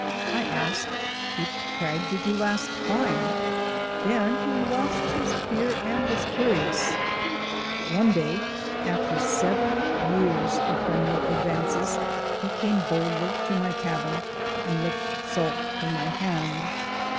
I asked: "Which crag did you last climb?" Then he lost his fear and was curious. One day, after LANDMARKS 149 seven years of friendly advances, he came boldly to my cabin and licked salt from my hand.